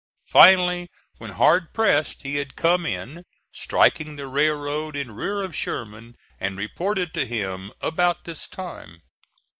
Finally, when hard pressed, he had come in, striking the railroad in rear of Sherman, and reported to him about this time.